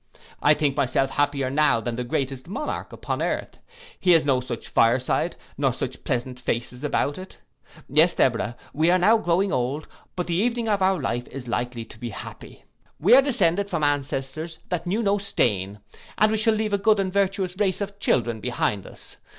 I think myself happier now than the greatest monarch upon earth. He has no such fire side, nor such pleasant faces about it. Yes, Deborah, we are now growing old; but the evening of our life is likely to be happy. We are descended from ancestors that knew no stain, and we shall leave a good and virtuous race of children behind us.